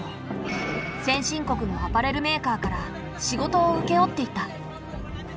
先進国のアパレルメーカーから仕事を請け負っていた。